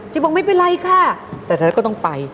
จิ๊กบอกไม่เป็นไรค่ะแต่ทันทันก็ต้องไป